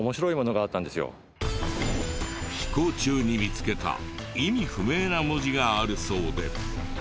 飛行中に見つけた意味不明な文字があるそうで。